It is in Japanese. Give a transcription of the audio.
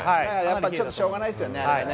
ちょっとしょうがないですよね。